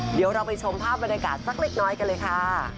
เดี๋ยวเราไปชมภาพบรรยากาศสักเล็กน้อยกันเลยค่ะ